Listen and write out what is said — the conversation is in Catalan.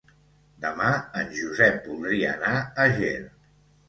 Demà en Josep voldria anar a Ger.